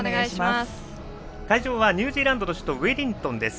会場はニュージーランドの首都ウェリントンです。